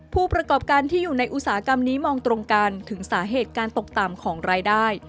ผู้ประกอบการที่อยู่ในอุตสาหกรรมนี้มองตรงกันถึงสาเหตุการตกต่ำของรายได้